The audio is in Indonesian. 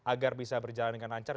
agar bisa berjalan dengan lancar